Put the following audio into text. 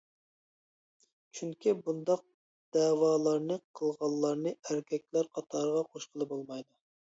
چۈنكى، بۇنداق دەۋالارنى قىلغانلارنى ئەركەكلەر قاتارىغا قوشقىلى بولمايدۇ.